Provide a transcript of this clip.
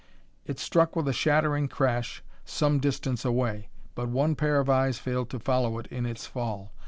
It struck with a shattering crash some distance away, but one pair of eyes failed to follow it in its fall.